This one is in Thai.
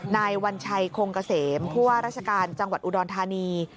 นายวัญชัยคงเกษมผู้ว่าราชการจังหวัดอุดรธานี